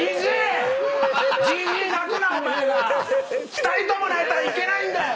２人とも泣いたらいけないんだよ！